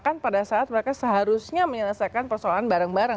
bahkan pada saat mereka seharusnya menyelesaikan persoalan bareng bareng